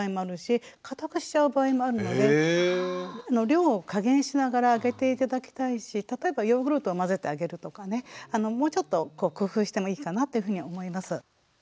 量を加減しながらあげて頂きたいし例えばヨーグルトを混ぜてあげるとかねもうちょっと工夫してもいいかなというふうに思います。